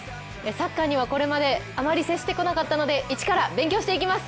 サッカーにはこれまであまり接してこなかったので一から勉強していきます。